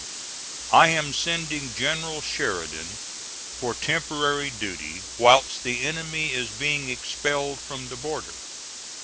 I am sending General Sheridan for temporary duty whilst the enemy is being expelled from the border.